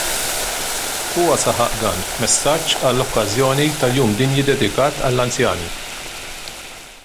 Huwa saħaq dan f'messaġġ għall-okkażjoni tal-Jum Dinji ddedikat għall-anzjani.